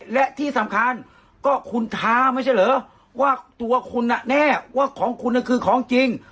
และที่สำคัญก็คุณท้าไม่ใช่เหรอว่าตัวคุณแน่ว่าของคุณคือของจริง